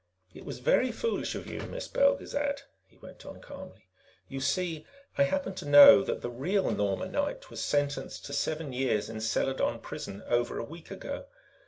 "It was very foolish of you, Miss Belgezad," he went on calmly. "You see, I happened to know that the real Norma Knight was sentenced to seven years in Seladon Prison over a week ago.